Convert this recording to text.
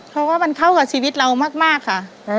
เพราะว่ามันเข้ากับชีวิตเรามากค่ะ